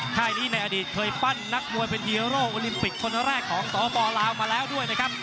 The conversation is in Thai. ค่ายนี้ในอดีตเคยปั้นนักมวยเป็นฮีโร่โอลิมปิกคนแรกของสปลาวมาแล้วด้วยนะครับ